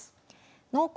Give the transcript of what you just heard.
「濃厚！